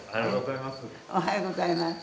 おはようございます。